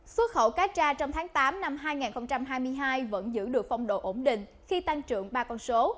xuất khẩu cacha trong tháng tám năm hai nghìn hai mươi hai vẫn giữ được phong độ ổn định khi tăng trưởng ba con số